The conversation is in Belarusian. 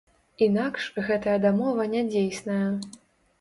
Інакш гэтая дамова нядзейсная.